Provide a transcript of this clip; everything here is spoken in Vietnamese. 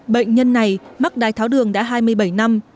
bệnh nhân này mắc đai tháo đường đã hai mươi bảy năm